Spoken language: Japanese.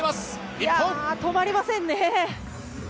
いや、止まりませんね。